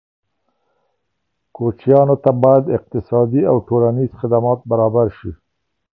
کوچیانو ته باید اقتصادي او ټولنیز خدمات برابر شي.